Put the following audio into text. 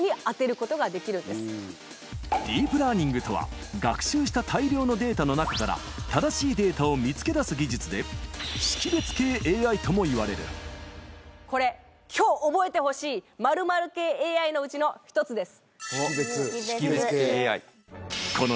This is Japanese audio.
ディープラーニングとは学習した大量のデータの中から正しいデータを見つけ出す技術でともいわれるこれ。のうちの１つです。